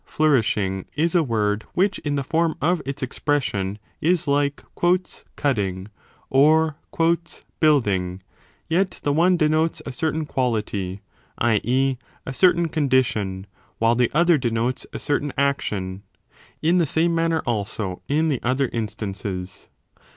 flourish ing is a word which in the form of its expression is like cutting or building : yet the one denotes a certain quality i. e. a certain condition while the other denotes a certain action. In the same manner also in the other instances.